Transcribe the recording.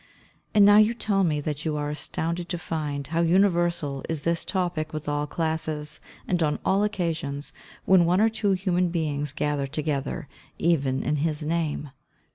And now you tell me that you are astounded to find how universal is this topic with all classes, and on all occasions when one or two human beings gather together even in "His name."